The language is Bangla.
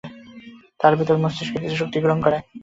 তারপর ভিতর হইতেও মস্তিষ্ক কিছু শক্তি সংগ্রহ করে।